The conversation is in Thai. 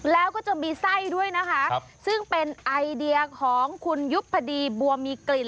แล้วก็จะมีไส้ด้วยนะคะซึ่งเป็นไอเดียของคุณยุพดีบัวมีกลิ่น